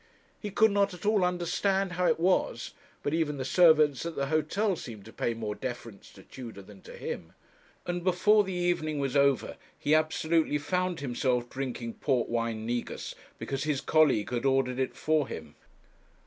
He could not at all understand how it was, but even the servants at the hotel seemed to pay more deference to Tudor than to him; and before the evening was over he absolutely found himself drinking port wine negus, because his colleague had ordered it for him.